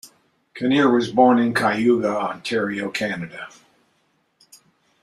Kinnear was born in Cayuga, Ontario, Canada.